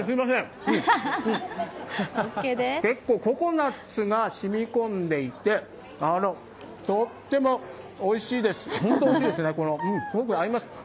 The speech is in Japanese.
結構ココナッツが染み込んでいて、とってもおいしいです、ホントおいしいですね、すごく合います。